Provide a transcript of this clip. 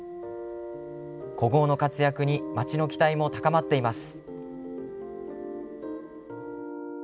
古豪の活躍に町の期待も高まっています。